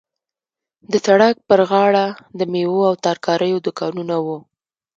د سړک پر غاړه د میوو او ترکاریو دوکانونه وو.